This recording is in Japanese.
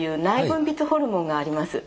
分泌ホルモンがあります。